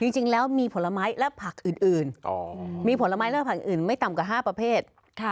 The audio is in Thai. จริงแล้วมีผลไม้และผักอื่นไม่ต่ำกว่า๕ประเภท